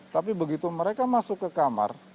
tapi begitu mereka masuk ke kamar